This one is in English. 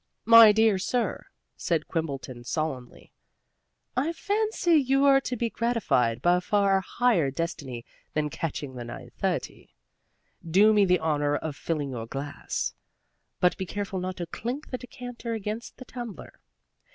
"My dear sir," said Quimbleton solemnly, "I fancy you are to be gratified by a far higher destiny than catching the 9.30. Do me the honor of filling your glass. But be careful not to clink the decanter against the tumbler.